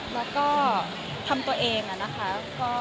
แล้วก็ทำตัวเองอะนะคะ